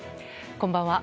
こんばんは。